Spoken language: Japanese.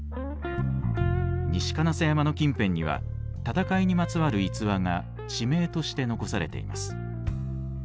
西金砂山の近辺には戦いにまつわる逸話が地名として残されています。